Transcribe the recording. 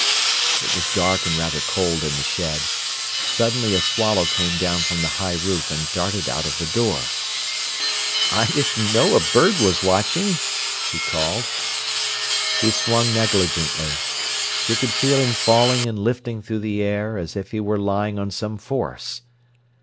It was dark and rather cold in the shed. Suddenly a swallow came down from the high roof and darted out of the door. "I didn't know a bird was watching," he called. He swung negligently. She could feel him falling and lifting through the air, as if he were lying on some force.